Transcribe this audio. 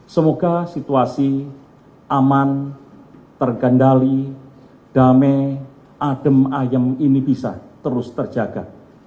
semoga situasi aman tergandali damai adem ayem ini bisa terus terjaga